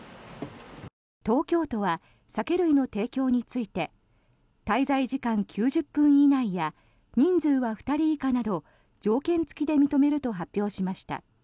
東京都は酒類の提供について滞在時間９０分以内や人数は２人以下など条件付きで認めると発表しました。